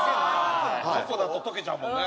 チョコだと溶けちゃうもんね。